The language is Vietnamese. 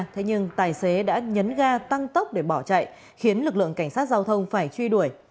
thế nhưng tài xế đã nhấn ga tăng tốc để bỏ chạy khiến lực lượng cảnh sát giao thông phải truy đuổi